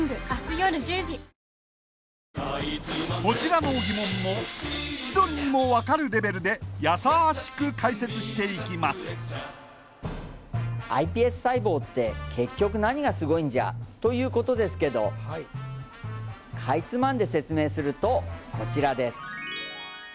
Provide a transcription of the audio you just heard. こちらの疑問も千鳥にも分かるレベルでやさしく解説していきますｉＰＳ細胞って結局何がスゴイんじゃ？ということですけどかいつまんで説明するとこちらです